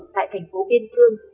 tại thành phố biên thương